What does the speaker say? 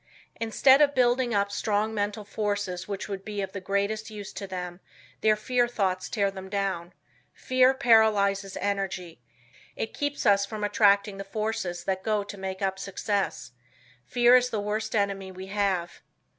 Instead of building up strong mental forces which would be of the greatest use to them their fear thoughts tear them down. Fear paralyzes energy. It keeps us from attracting the forces that go to make up success. Fear is the worst enemy we have.